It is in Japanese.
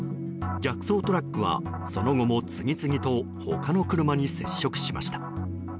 逆走トラックはその後も次々と他の車に接触しました。